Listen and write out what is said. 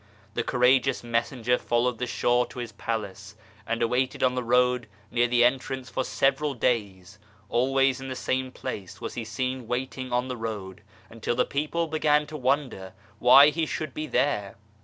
The courageous messenger followed the Shah to his Palace, and waited on the road near the entrance for several days. Always in the same place was he seen waiting on the road, until the people began to wonder why he should be there.